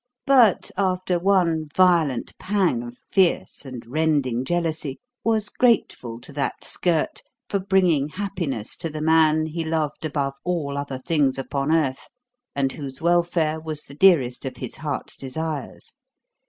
But, after one violent pang of fierce and rending jealousy, was grateful to that "skirt" for bringing happiness to the man he loved above all other things upon earth and whose welfare was the dearest of his heart's desires.